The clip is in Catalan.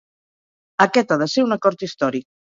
Aquest ha de ser un acord històric